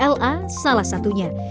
la salah satunya